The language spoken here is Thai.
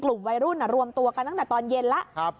กลุ่มวัยรุ่นรวมตัวกันตั้งแต่ตอนเย็นแล้ว